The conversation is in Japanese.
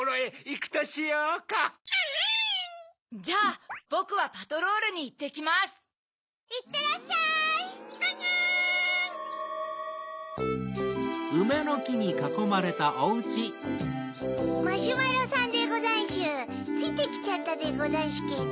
ついてきちゃったでござんしゅけど。